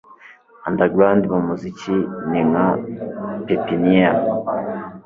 Underground mu muziki ni nka pepiniyeri